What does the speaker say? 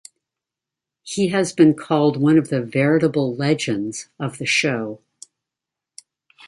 He has been called one of the "veritable legends" of the show.